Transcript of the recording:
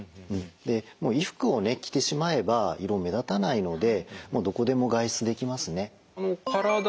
もう衣服を着てしまえば胃ろう目立たないのでどこでも外出できますね。